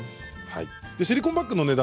シリコンバッグの値段